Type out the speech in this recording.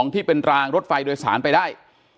ที่เป็นรางรถไฟโดยสารไปได้